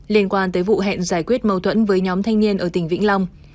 liên quan tới vụ hẹn giải quyết mâu thuẫn với nhóm thanh niên ở tỉnh vĩnh long